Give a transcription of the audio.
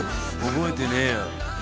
覚えてねえよ。